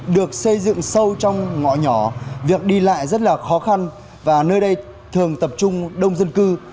được xây dựng sâu trong ngõ nhỏ việc đi lại rất là khó khăn và nơi đây thường tập trung đông dân cư